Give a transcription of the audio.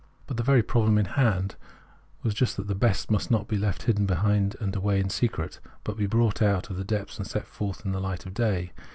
But the very problem in hand was just that the best must not be left behind hidden away in secret, but be brought out of the depths and set forth in the light of day.